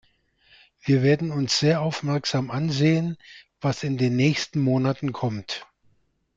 Wir werden uns sehr aufmerksam ansehen, was in den nächsten Monaten kommt.